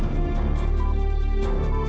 pak aku mau pergi